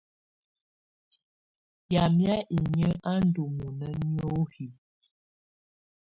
Yamɛ̀á inyǝ́ á ndù mɔna niohi.